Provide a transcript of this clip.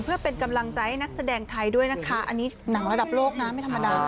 เพื่อเป็นกำลังใจให้นักแสดงไทยด้วยนะคะอันนี้หนังระดับโลกนะไม่ธรรมดา